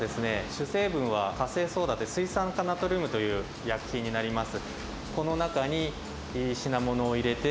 主成分は苛性ソーダで水酸化ナトリウムという薬品になります。